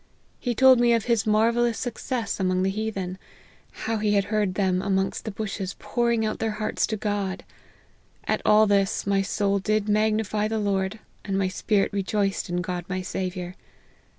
He told me of his marvellous success amongst the heathen ; how he had heard them amongst the bushes pouring out their hearts to God. At all this my ' soul did magnify the Lord, and my spirit rejoiced in God my Saviour.'